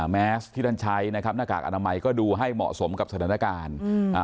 แมสที่ท่านใช้นะครับหน้ากากอนามัยก็ดูให้เหมาะสมกับสถานการณ์